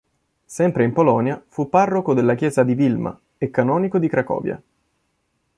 Sempre in Polonia, fu parroco della chiesa di Vilma e canonico di Cracovia.